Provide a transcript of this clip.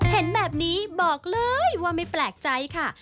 เห็นแบบนี้บอกเลยว่าไม่แปลกใจค่ะ